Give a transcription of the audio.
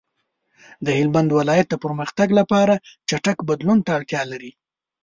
د هلمند ولایت د پرمختګ لپاره چټک بدلون ته اړتیا لري.